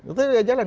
itu ada jalan